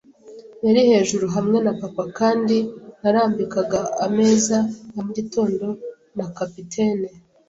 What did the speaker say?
yari hejuru hamwe na papa kandi narambikaga ameza ya mugitondo na capitaine